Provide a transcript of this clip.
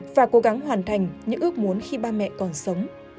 và cố gắng hoàn thành những ước muốn khi ba mẹ còn sống